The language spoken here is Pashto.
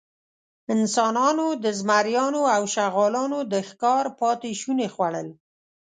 انسانانو د زمریانو او شغالانو د ښکار پاتېشوني خوړل.